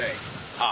ああ。